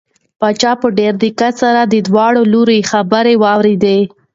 پاچا په ډېر دقت د دواړو لوریو خبرې واورېدې.